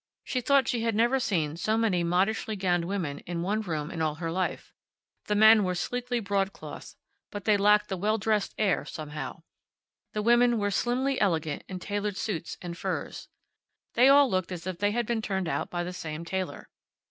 She thought she had never seen so many modishly gowned women in one room in all her life. The men were sleekly broadclothed, but they lacked the well dressed air, somehow. The women were slimly elegant in tailor suits and furs. They all looked as if they had been turned out by the same tailor.